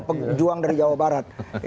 pejuang dari jawa barat